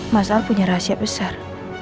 mas al punya rahasia besar